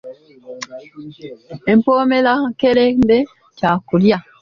Empoomerankerembe kya kulya.